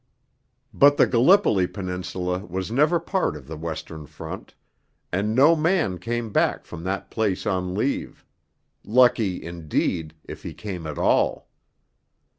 But the Gallipoli Peninsula was never part of the Western Front, and no man came back from that place on leave; lucky, indeed, if he came at all.